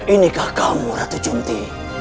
inikah kamu ratu cunti